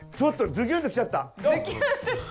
ズキュンと来ちゃった。